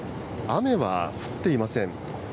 雨は降っていません。